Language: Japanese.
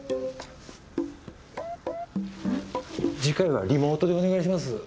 次回はリモートでお願いします。